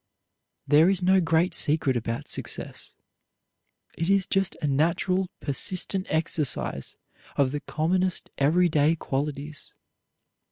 There is no great secret about success. It is just a natural persistent exercise of the commonest every day qualities.